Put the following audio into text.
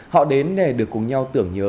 họ đến để được cùng nhau tưởng nhớ